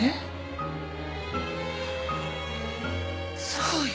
そうよ！